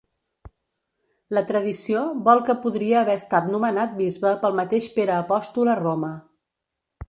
La tradició vol que podria haver estat nomenat bisbe pel mateix Pere apòstol a Roma.